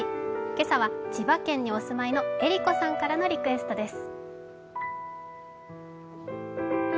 今朝は千葉県にお住まいのえりこさんからのリクエストです。